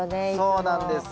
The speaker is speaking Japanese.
そうなんですよ。